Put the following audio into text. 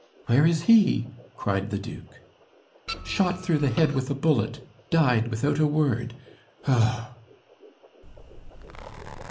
"Where is he?" cried the duke. "Shot through the head with a bullet died without a word! ough!"